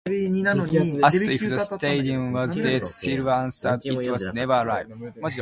Asked if the stadium was dead, Silver answered, It was never alive.